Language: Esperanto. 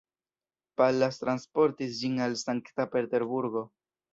Pallas transportis ĝin al Sankta-Peterburgo.